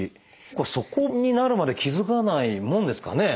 そこになるまで気付かないものですかね。